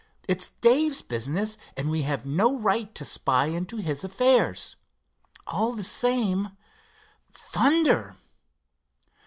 It's Dave's business, and we have no right to spy into his affairs. All the same—thunder!"